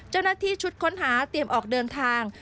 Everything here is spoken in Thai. เจ้าหน้าที่ชุดค้นหาเตรียมออกเดินทาง